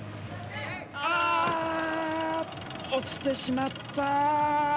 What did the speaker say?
ああ落ちてしまった！